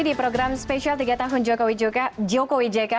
di program spesial tiga tahun joko widjeka